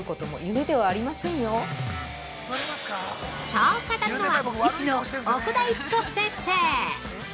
◆そう語るのは、医師の奥田逸子先生。